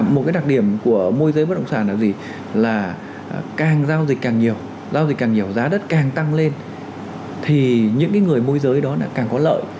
một cái đặc điểm của môi giới bất động sản là gì là càng giao dịch càng nhiều giao dịch càng nhiều giá đất càng tăng lên thì những người môi giới đó lại càng có lợi